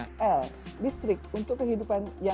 l listrik untuk kehidupan yang lebih berharga